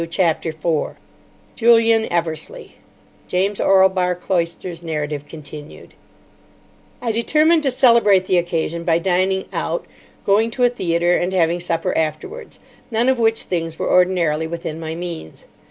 CHAPTER 4 JULIAN EVERSLEIGH (James Orlebar Cloyster's narrative continued) I determined to celebrate the occasion by dining out, going to a theatre, and having supper afterwards, none of which things were ordinarily within my means.